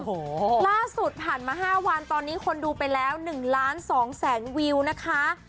โอ้โหล่าสุดผ่านมา๕วันตอนนี้คนดูไปแล้ว๑ล้าน๒แสนวิวนะคะ